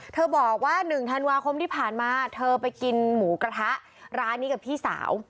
บอกว่า๑ธันวาคมที่ผ่านมาเธอไปกินหมูกระทะร้านนี้กับพี่สาว